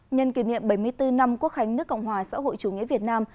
nhân kỷ niệm bảy mươi bốn năm quốc khánh nước cộng hòa xã hội chủ nghĩa việt nam